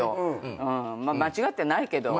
まあ間違ってないけど。